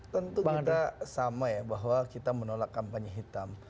tentu kita sama ya bahwa kita menolak kampanye hitam